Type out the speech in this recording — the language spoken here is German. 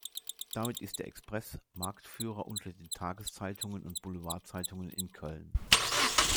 Damit ist der "Express" Marktführer unter den Tageszeitungen und Boulevardzeitungen in Köln.